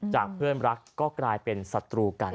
เพื่อนรักก็กลายเป็นศัตรูกัน